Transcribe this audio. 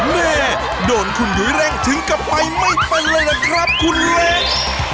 แม่โดนคุณหยุ้ยเร่งถึงกลับไปไม่เป็นเลยล่ะครับคุณเล็ก